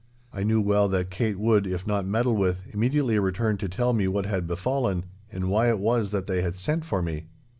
I knew well that Kate would, if not meddled with, immediately return to tell me what had befallen, and why it was that they had sent for me.